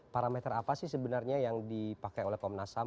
parameter apa sih sebenarnya yang dipakai oleh komnas ham